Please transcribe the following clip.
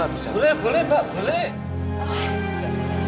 boleh boleh pak boleh